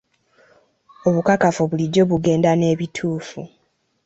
Obukakafu bulijjo bugenda n'ebituufu.